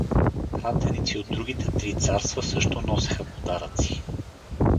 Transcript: Пратеници от другите три царства също носеха подаръци.